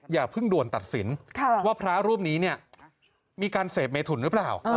อย่าเพิ่งด่วนตัดสินว่าพระรูปนี้มีการเสพเมทุนหรือเปล่า